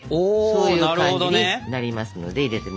そういう感じになりますので入れてみます。